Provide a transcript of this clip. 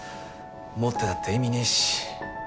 持ってたって意味ねえし。